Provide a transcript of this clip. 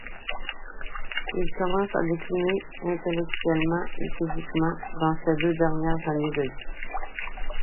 Il commence à décliner intellectuellement et physiquement dans ses deux dernières années de vie.